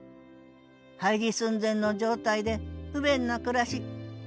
廃寺寸前の状態で不便な暮らし。